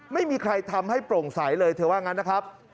ไม่มีใครทำให้โปร่งใสเลยเธอว่างั้นนะครับ